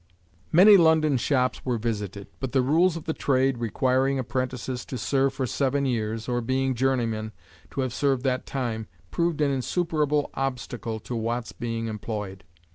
Many London shops were visited, but the rules of the trade, requiring apprentices to serve for seven years, or, being journeymen, to have served that time, proved an insuperable obstacle to Watt's being employed.